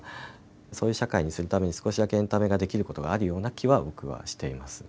そういう社会にするために少しだけエンタメができることがあるような気は僕はしています。